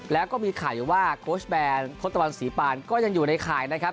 แล้วก็มีข่าวอยู่ว่าโค้ชแบนทศตวรรณศรีปานก็ยังอยู่ในข่ายนะครับ